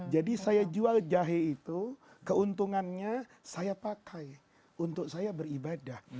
jadi saya jual jahe itu keuntungannya saya pakai untuk saya beribadah